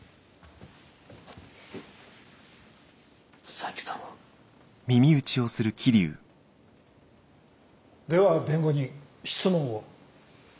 佐伯さんは？では弁護人質問を。